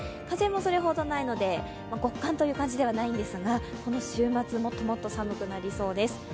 風もそれほどないので極寒という感じではないんですが、この週末、もっともっと寒くなりそうです。